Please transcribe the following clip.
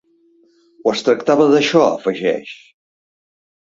O es tractava d’això?, afegeix.